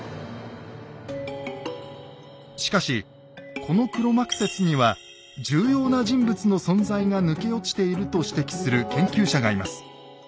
しかしこの黒幕説には重要な人物の存在が抜け落ちていると指摘する研究者がいます。